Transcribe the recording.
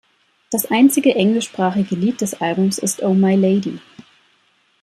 Das einzige englischsprachige Lied des Albums ist "Oh My Lady".